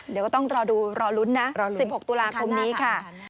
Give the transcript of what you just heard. เดี๋ยวก็ต้องรอดูรอลุ้นนะ๑๖ตุลาคมนี้ค่ะ